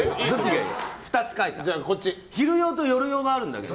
昼用と夜用があるんだけど。